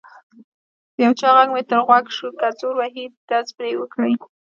د یو چا غږ مې تر غوږ شو: که زور وهي ډز پرې وکړئ.